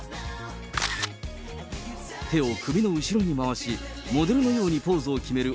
手を首の後ろに回し、モデルのようにポーズを決める